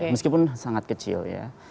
meskipun sangat kecil ya